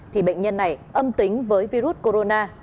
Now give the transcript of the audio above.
thì bệnh nhân này âm tính với virus corona